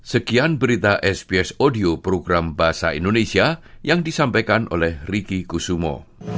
sekian berita sbs audio program bahasa indonesia yang disampaikan oleh riki kusumo